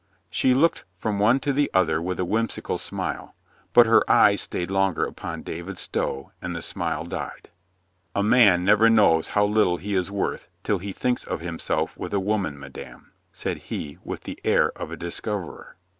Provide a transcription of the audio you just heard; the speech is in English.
She looked from one to the other with a whimsical smile. But her eyes stayed longer upon David Stow and the smile died. "A man never knows how little he is worth till he thinks of himself with a woman, madame," said he with the air of a discoverer.